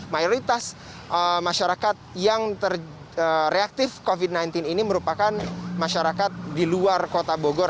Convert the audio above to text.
mayoritas masyarakat yang reaktif covid sembilan belas ini merupakan masyarakat di luar kota bogor